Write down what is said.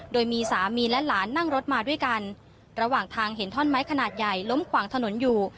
โดยมีสามีและหลานนั่งรถมาด้วยกันระหว่างทางเห็นท่อนไม้ขนาดใหญ่ล้มขวางถนนอยู่